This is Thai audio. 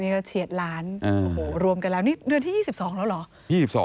นี่ก็เฉียดล้านโอ้โหรวมกันแล้วนี่เดือนที่๒๒แล้วเหรอ